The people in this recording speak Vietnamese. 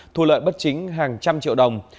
thu lợi bất chính hàng trăm triệu đồng